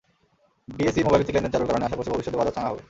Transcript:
DSE মোবাইলভিত্তিক লেনদেন চালুর কারণে আশা করছি ভবিষ্যতে বাজার চাঙা হবে।